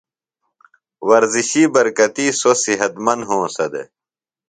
ورزشی برکتی سوۡ صحت مند ہونسہ دےۡ۔